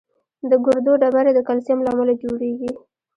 د ګردو ډبرې د کلسیم له امله جوړېږي.